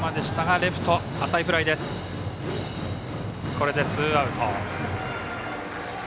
これでツーアウト。